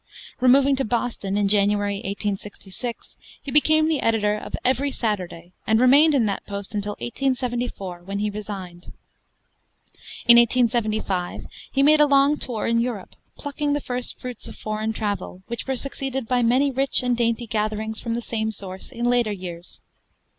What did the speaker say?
Removing to Boston in January, 1866, he became the editor of Every Saturday, and remained in that post until 1874, when he resigned. In 1875 he made a long tour in Europe, plucking the first fruits of foreign travel, which were succeeded by many rich and dainty gatherings from the same source in later years.